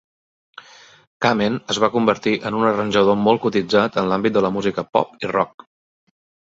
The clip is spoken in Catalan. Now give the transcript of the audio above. Kamen es va convertir en un arranjador molt cotitzat en l'àmbit de la música pop i rock.